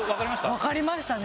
わかりましたね。